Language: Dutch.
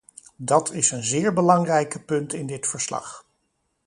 Dat is een zeer belangrijke punt in dit verslag.